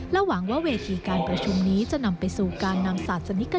หวังว่าเวทีการประชุมนี้จะนำไปสู่การนำศาสนิก